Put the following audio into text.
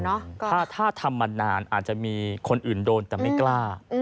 ถ้าทำมานานอาจจะมีคนอื่นโดนแต่ไม่กล้า